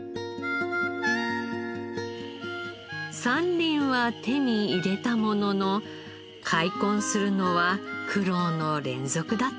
山林は手に入れたものの開墾するのは苦労の連続だったそうです。